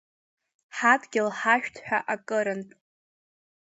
Ҳадгьыл ҳашәҭ ҳәа акырынтә.